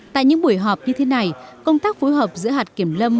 tại những buổi họp như thế này công tác phối hợp giữa hạt kiểm lâm